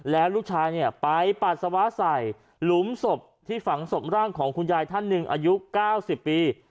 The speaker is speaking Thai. แล้วลูกชายเนี่ยไปปัสสาวะใส่หลุมศพที่ฝังศพร่างของคุณยายท่านหนึ่งอายุ๙๐ปี